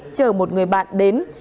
chờ một người bạn đến